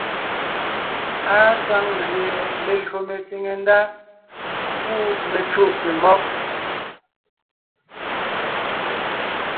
Àa saŋ gẅie lelÿò metsìŋe ndá kú mecùʼte mɔ́b.